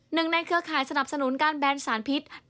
ในเครือข่ายสนับสนุนการแบนสารพิษ